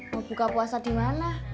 mau buka puasa dimana